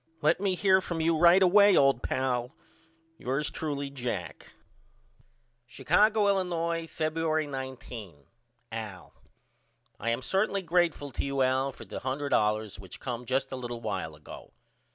Let me hear from you right away old pal. Yours truly, JACK. Chicago, Illinois, Febuery 19. AL: I am certainly greatful to you Al for the $100 which come just a little while ago.